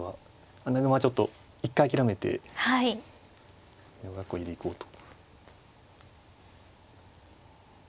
穴熊ちょっと一回諦めて美濃囲いでいこうと。